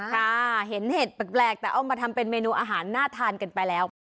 ค่ะเห็นเห็ดแปลกแต่เอามาทำเป็นเมนูอาหารน่าทานกันไปแล้ว